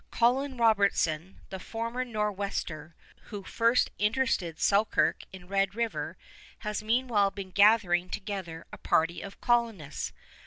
Colin Robertson, the former Nor'wester, who first interested Selkirk in Red River, has meanwhile been gathering together a party of colonists.